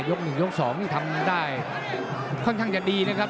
๑ยก๒นี่ทำได้ค่อนข้างจะดีนะครับ